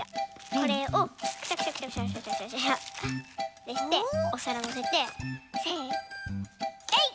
これをクシャクシャクシャクシャってしておさらのせてせのえい！